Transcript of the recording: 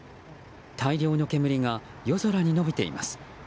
大量の煙が夜空に延びています。